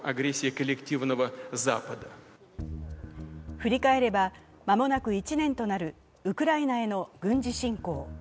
振り返れば間もなく１年となるウクライナへの軍事侵攻。